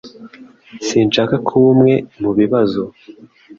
Sinshaka kuba umwe mubibazo